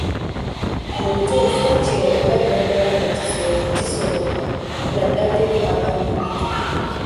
Mu butuufu kino olabira ddala nga kisoboka naddala eri abaana abato.